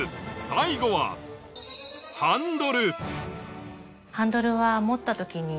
最後はハンドルは。